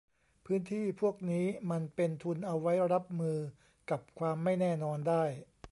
พื้นที่พวกนี้มันเป็นทุนเอาไว้รับมือกับความไม่แน่นอนได้